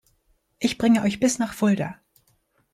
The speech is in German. Ich bringe euch bis nach Fulda